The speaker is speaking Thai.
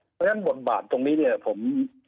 เพราะฉะนั้นบทบาทตรงนี้เนี่ยผม